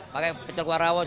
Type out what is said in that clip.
pakai pecel kuah rawon